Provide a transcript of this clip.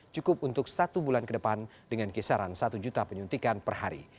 cukup untuk satu bulan ke depan dengan kisaran satu juta penyuntikan per hari